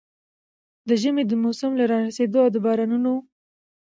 د ژمي د موسم له را رسېدو او د بارانونو